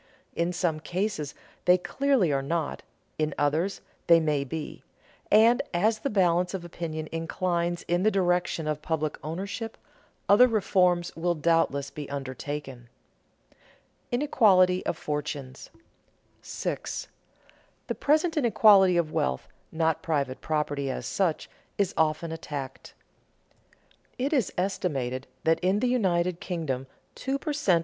In some cases they clearly are not, in others they may be; and as the balance of opinion inclines in the direction of public ownership, other reforms will doubtless be undertaken. [Sidenote: Inequality of fortunes] 6. The present inequality of wealth, not private property as such, is often attacked. It is estimated that in the United Kingdom two per cent.